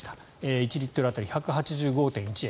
１リットル当たり１８５．１円。